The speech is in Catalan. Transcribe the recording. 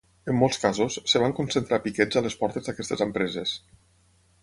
En molts casos, es van concentrar piquets a les portes d'aquestes empreses.